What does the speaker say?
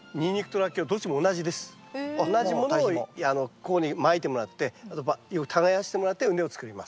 同じものをここにまいてもらってよく耕してもらって畝を作ります。